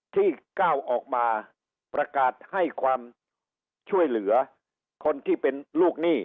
ที่ก้าวออกมาประกาศให้ความช่วยเหลือคนที่เป็นลูกหนี้